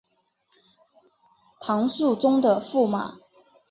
唐肃宗的驸马。